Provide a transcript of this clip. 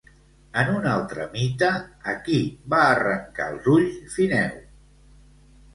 En un altre mite, a qui va arrencar els ulls Fineu?